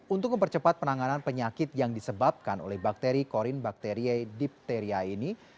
untuk mempercepat penanganan penyakit yang disebabkan oleh bakteri korin bakteria dipteria ini